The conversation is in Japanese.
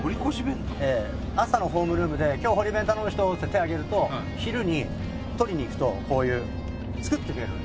朝のホームルームで「今日堀弁頼む人？」っつって手上げると昼に取りに行くとこういう作ってくれるの。